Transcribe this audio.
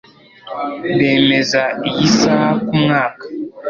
Bemeza iyi saha kumwaka.